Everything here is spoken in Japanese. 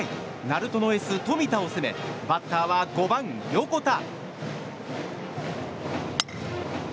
鳴門のエース冨田を攻めバッターは５番、横田。